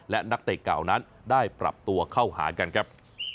และนักเตะเก่านั้นได้ปรับตัวเข้าหารกันครับ